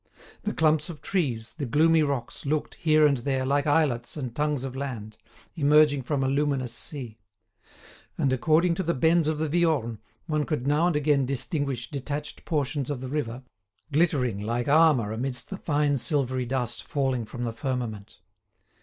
The clumps of trees, the gloomy rocks, looked, here and there, like islets and tongues of land, emerging from a luminous sea; and, according to the bends of the Viorne one could now and again distinguish detached portions of the river, glittering like armour amidst the fine silvery dust falling from the firmament.